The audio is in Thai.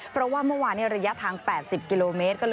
เพราะว่าเมื่อวานระยะทาง๘๐กิโลเมตร